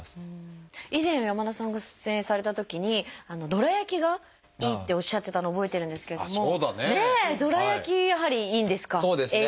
以前山田さんが出演されたときにどら焼きがいいっておっしゃってたのを覚えてるんですけれどもどら焼きやはりいいんですか？